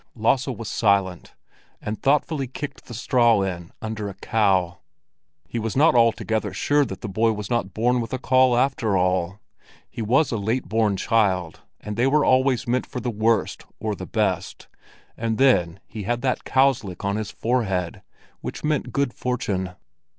Lasse was silent, and thoughtfully kicked the straw in under a cow. He was not altogether sure that the boy was not born with a caul, after all. He was a late born child, and they were always meant for the worst or the best; and then he had that cow's lick on his forehead, which meant good fortune.